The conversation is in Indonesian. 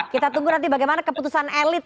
kita tunggu nanti bagaimana keputusan elit